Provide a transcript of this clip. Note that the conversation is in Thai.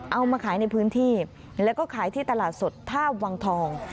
เอามาขายในพื้นที่แล้วก็ขายที่ตลาดสดทาบวังทอง